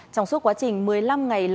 trong suốt quá trình một mươi năm ngày